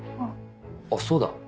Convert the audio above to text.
あっそうだ。